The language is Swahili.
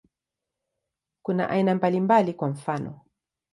Kuna aina mbalimbali, kwa mfano.